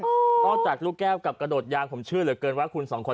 นอกจากลูกแก้วกับกระโดดยางผมเชื่อเหลือเกินว่าคุณสองคน